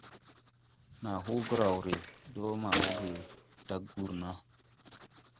Naa hoo graw re do ma wooge daʼ gurna.